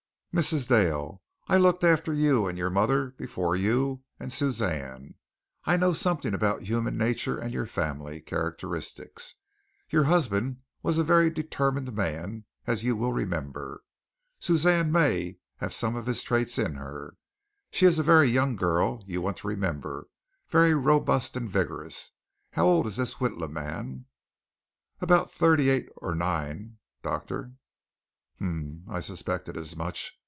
"Mrs. Dale, I looked after you and your mother before you and Suzanne. I know something about human nature and your family characteristics. Your husband was a very determined man, as you will remember. Suzanne may have some of his traits in her. She is a very young girl, you want to remember, very robust and vigorous. How old is this Witla man?" "About thirty eight or nine, doctor." "Um! I suspected as much.